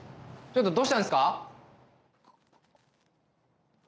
ちょっとどうしたんですか？